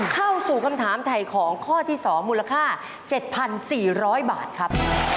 เข้าสู่คำถามถ่ายของข้อที่๒มูลค่า๗๔๐๐บาทครับ